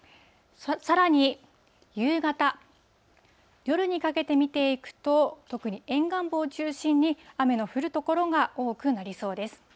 さらに夕方、夜にかけて見ていくと、特に沿岸部を中心に雨の降る所が多くなりそうです。